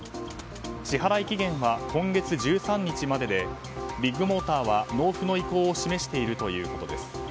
支払期限は今月１３日まででビッグモーターは納付の意向を示しているということです。